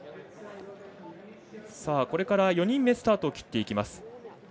これから４人目スタートを切っていきます。